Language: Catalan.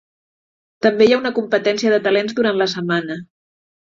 També hi ha una competència de talents durant la setmana.